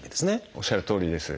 おっしゃるとおりです。